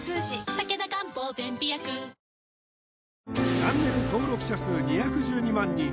チャンネル登録者数２１２万人